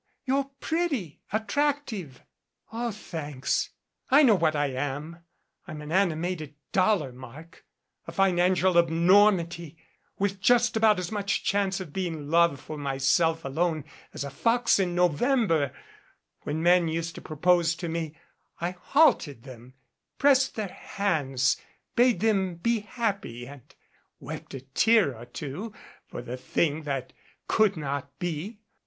You're pretty, attractive "Oh, thanks. I know what I am. I'm an animated dollar mark, a financial abnormity, with just about as much chance of being loved for myself alone as a fox in 26 THE INEFFECTUAL AUNT November. When men used to propose to me I halted them, pressed their hands, bade them be happy and wept a tear or two for the thing that could not be.